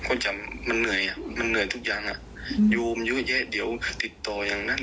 คนจะมันเหนื่อยอ่ะมันเหนื่อยทุกอย่างอ่ะยูมเยอะแยะเดี๋ยวติดต่ออย่างนั้น